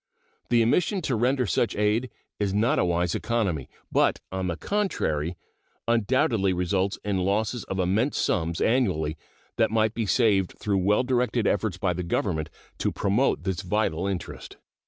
The omission to render such aid is not a wise economy, but, on the contrary, undoubtedly results in losses of immense sums annually that might be saved through well directed efforts by the Government to promote this vital interest.